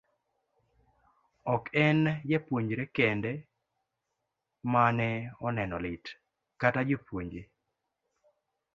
Ok en jopuonjre kende ma ne oneno lit, kata jopuonje